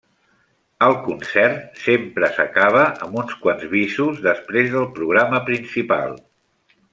El concert sempre s'acaba amb uns quants bisos després del programa principal.